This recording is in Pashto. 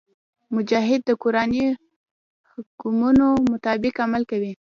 مجاهد د قرآني حکمونو مطابق عمل کوي.